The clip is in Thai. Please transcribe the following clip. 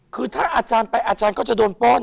คือถ้าอาจารย์ไปอาจารย์ก็จะโดนป้อน